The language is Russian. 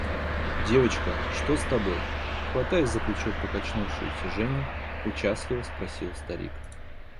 Девочка, что с тобой? – хватая за плечо покачнувшуюся Женю, участливо спросил старик.